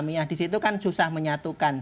minyak di situ kan susah menyatukan